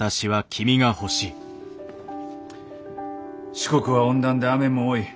四国は温暖で雨も多い。